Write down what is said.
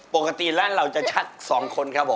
ปกติร้านเราจะชักสองคนครับผม